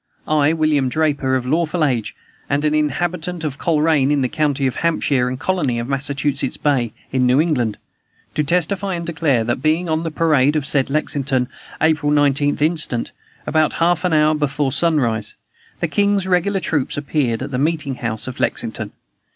"I, William Draper, of lawful age, and an inhabitant of Colrain, in the county of Hampshire, and colony of Massachusetts Bay, in New England, do testify and declare, that, being on the parade of said Lexington, April 19th instant, about half an hour before sunrise, the king's regular troops appeared at the meeting house of Lexington.